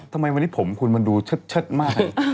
ทำไมวันนี้ผมคุณมันดูเชิดมาก